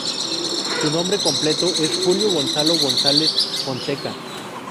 Su nombre completo es Julio Gonzalo González Fonseca.